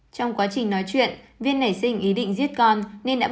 trong quá trình nói chuyện viên nảy sinh ý định giết con nên đã bồng chó viên